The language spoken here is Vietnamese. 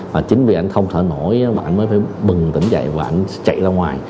và chính vì ảnh không thở nổi ảnh mới phải bừng tỉnh dậy và ảnh chạy ra ngoài